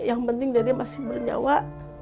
yang penting dia masih bernyawa